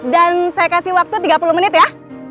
dan saya kasih waktu tiga puluh menit ya